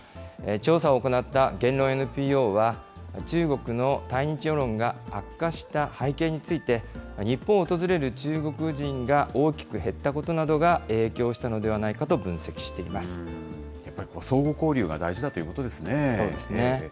調査を行った言論ＮＰＯは、中国の対日世論が悪化した背景について、日本を訪れる中国人が大きく減ったことなどが影響したのではないやっぱり相互交流が大事だとそうですね。